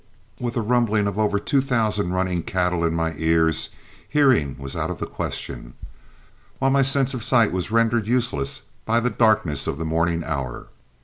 With the rumbling of over two thousand running cattle in my ears, hearing was out of the question, while my sense of sight was rendered useless by the darkness of the morning hour.